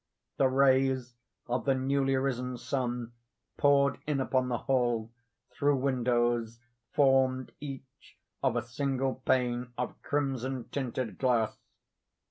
The rays of the newly risen sun poured in upon the whole, through windows, formed each of a single pane of crimson tinted glass.